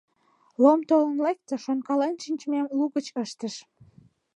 Лом толын лекте, шонкален шинчымем лугыч ыштыш.